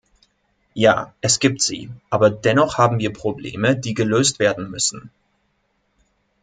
Ja, es gibt sie, aber dennoch haben wir Probleme, die gelöst werden müssen.